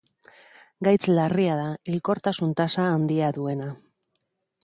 Gaitz larria da, hilkortasun tasa handia duena.